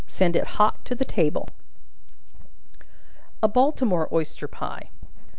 Send it hot to table. A Baltimore Oyster Pie.